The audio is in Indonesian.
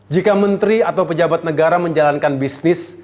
jika menteri atau pejabat negara menjalankan bisnis